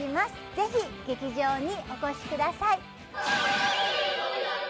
ぜひ劇場におこしください